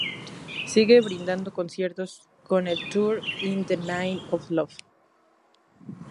Sigue brindando conciertos con el Tour "In The Name Of Love".